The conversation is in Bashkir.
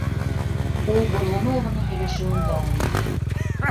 Ул боролмай ғына һөйләшеүен дауам итте.